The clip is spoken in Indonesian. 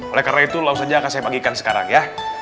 oleh karena itu langsung saja akan saya bagikan sekarang ya